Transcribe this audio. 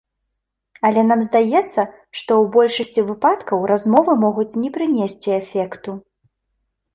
Але нам здаецца, што ў большасці выпадкаў размовы могуць не прынесці эфекту.